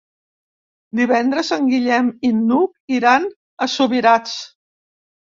Divendres en Guillem i n'Hug iran a Subirats.